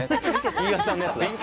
飯尾さんのやつだ。